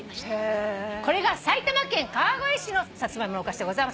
これが埼玉県川越市のサツマイモのお菓子でございます。